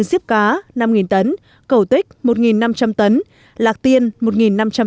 diếp cá năm tấn cầu tích một năm trăm linh tấn lạc tiên một năm trăm linh tấn rau đắng đất một năm trăm linh tấn